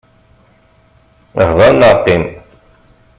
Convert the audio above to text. Hder neɣ qqim!